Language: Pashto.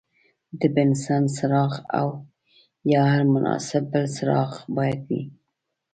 د بنسن څراغ او یا هر مناسب بل څراغ باید وي.